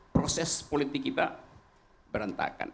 proses politik kita berantakan